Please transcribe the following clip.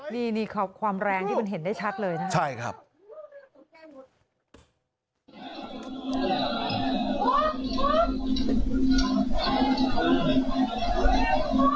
นี่ครับความแรงที่มันเห็นได้ชัดเลยนะครับ